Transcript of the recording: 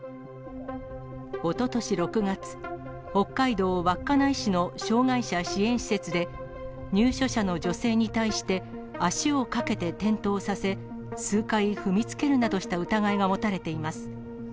おととし６月、北海道稚内市の障がい者支援施設で、入所者の女性に対して、足をかけて転倒させ、数回踏みつけるなどした疑いが持たれています。